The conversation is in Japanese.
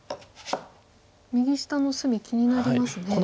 右下の隅気になりますね。